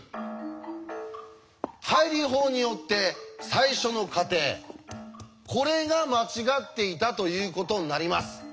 背理法によって最初の仮定これが間違っていたということになります。